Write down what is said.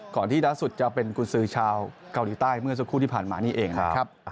ที่ด้าสุดจะเป็นกุญสือชาวเกาหลีใต้เมื่อสักครู่ที่ผ่านมานี่เองนะครับ